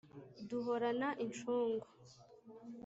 duhorana incungu,